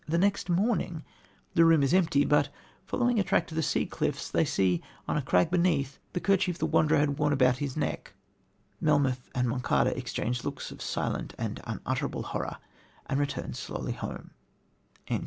The next morning the room is empty; but, following a track to the sea cliffs, they see, on a crag beneath, the kerchief the Wanderer had worn about his neck. "Melmoth and Monçada exchanged looks of silent and unutterable horror, and returned slowly home."